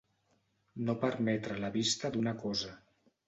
No permetre la vista d'una cosa.